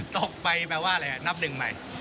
ตกไปแปลว่าอะไรนับหนึ่งใหม่